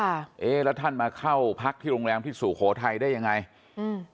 เอ๊ะแล้วท่านมาเข้าพักที่โรงแรมที่สุโขทัยได้ยังไงอืม